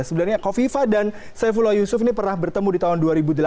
sebenarnya kofifa dan saifullah yusuf ini pernah bertemu di tahun dua ribu delapan